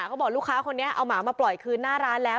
เขาบอกลูกค้าคนนี้เอาหมามาปล่อยคืนหน้าร้านแล้ว